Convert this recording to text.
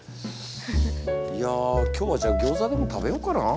いや今日はじゃあギョーザでも食べようかな。